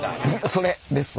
それですわ。